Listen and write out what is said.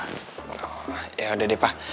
oh ya udah deh pak